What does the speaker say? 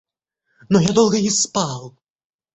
Но я долго не спал.